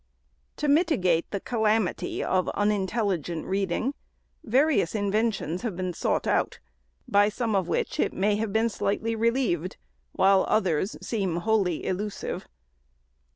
To mitigate the calamity of unintelligent reading, various inventions have been sought out ; by some of which it may have been slightly relieved, while others seem wholly illusive.